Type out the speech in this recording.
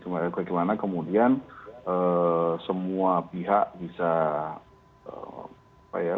bagaimana kemudian semua pihak bisa